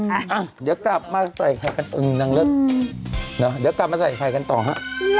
อ่ะเดี๋ยวกลับมาใส่ไข่กันอึงนางเลิศเนอะเดี๋ยวกลับมาใส่ไข่กันต่อฮะ